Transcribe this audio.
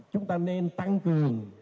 chúng ta nên tăng cường